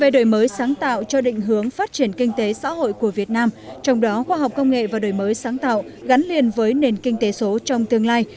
đổi mới sáng tạo cho định hướng phát triển kinh tế xã hội của việt nam trong đó khoa học công nghệ và đổi mới sáng tạo gắn liền với nền kinh tế số trong tương lai